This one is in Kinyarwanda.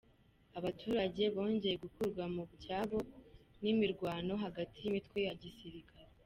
Abaturage bongeye gukurwa mu byabo n’imirwano hagati y’imitwe ya gisirikare